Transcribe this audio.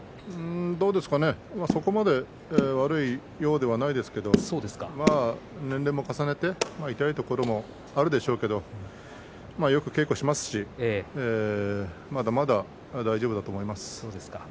そこまで悪いようではないですけれど年齢も重ねて痛いところもあるでしょうけどよく稽古もしますしまだまだ大丈夫だと思います。